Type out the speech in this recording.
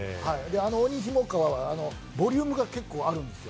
あの鬼ひも川はボリュームあるんですよ。